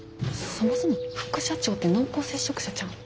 そもそも副社長って濃厚接触者ちゃうん？